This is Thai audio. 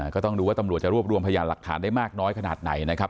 ก็ต้องดูว่าตำรวจจะรวบรวมพยานหลักฐานได้มากน้อยขนาดไหนนะครับ